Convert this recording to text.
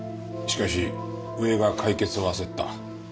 しかし上が解決を焦った。